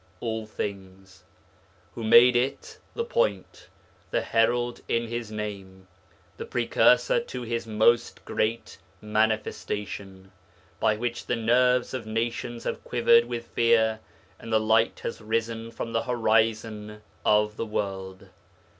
all things); who made it (the Point) the Herald in His Name, the Precursor to His Most Great Manifestation, by which the nerves of nations have quivered with fear and the Light has risen from the horizon of the world.